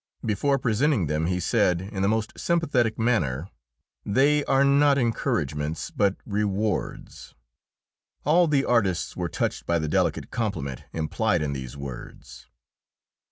Before presenting them he said, in the most sympathetic manner, "They are not encouragements, but rewards." All the artists were touched by the delicate compliment implied in these words.